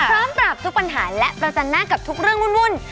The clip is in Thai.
พร้อมปรับทุกปัญหาและประจันหน้ากับทุกเรื่องวุ่น